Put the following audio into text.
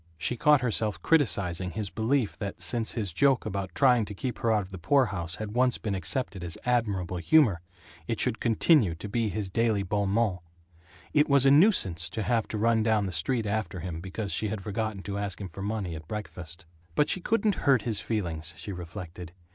She caught herself criticizing his belief that, since his joke about trying to keep her out of the poorhouse had once been accepted as admirable humor, it should continue to be his daily bon mot. It was a nuisance to have to run down the street after him because she had forgotten to ask him for money at breakfast. But she couldn't "hurt his feelings," she reflected.